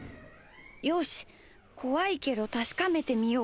よしこわいけどたしかめてみよう。